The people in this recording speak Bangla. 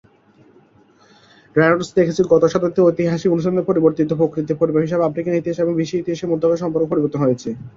রেনল্ডস দেখেছে গত শতাব্দীতে ঐতিহাসিক অনুসন্ধানের পরিবর্তিত প্রকৃতির পরিমাপ হিসাবে আফ্রিকান ইতিহাস এবং বিশ্ব ইতিহাসের মধ্যেকার সম্পর্ক পরিবর্তন হয়েছে।